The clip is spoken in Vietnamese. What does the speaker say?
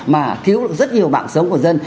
mà thiếu được rất nhiều mạng sống của dân